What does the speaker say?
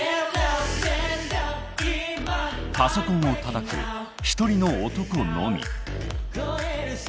パソコンをたたく一人の男のみ。